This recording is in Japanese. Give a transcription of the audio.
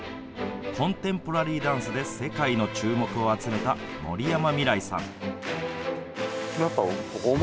コンテンポラリーダンスで世界の注目を集めた森山未來さん。